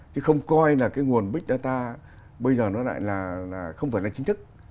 chứ không coi là cái nguồn big data bây giờ nó lại là không phải là chính thức